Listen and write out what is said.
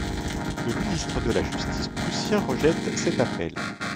Le ministre de la justice prussien rejette cet appel.